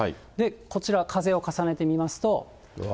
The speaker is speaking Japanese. こちら、風を重ねてみますと。